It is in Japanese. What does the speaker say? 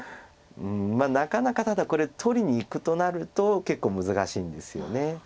うんなかなかただこれ取りにいくとなると結構難しいんですよね。